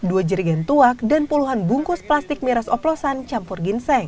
dua jerigan tuak dan puluhan bungkus plastik miras oplosan campur ginseng